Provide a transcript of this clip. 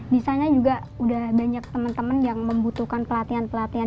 biasanya juga udah banyak temen temen yang membutuhkan pelatihan pelatihan